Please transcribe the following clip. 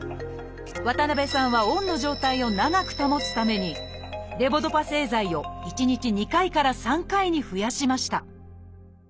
渡辺さんはオンの状態を長く保つためにレボドパ製剤を１日２回から３回に増やしました